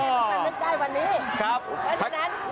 แล้วก็จะทำเขาต้องทำเมื่อ๘ปีที่แล้ว